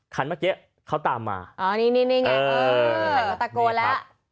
คันเมื่อกี้เขาตามมาอ๋อนี่นี่ไงเออหันมาตะโกนแล้ว